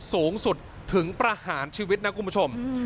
สูงสุดถึงประหารชีวิตนะคุณผู้ชม